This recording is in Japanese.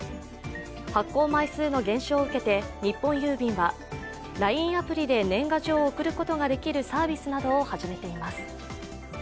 発行枚数の減少を受けて日本郵便はＬＩＮＥアプリで年賀状を送ることができるサービスなどを始めています。